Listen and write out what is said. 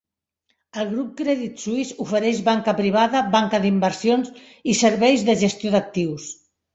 El Grup Crèdit Suïs ofereix banca privada, banca d'inversions i serveis de gestió d'actius.